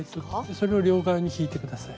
それを両側に引いて下さい。